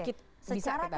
bisa kita punya pertanyaan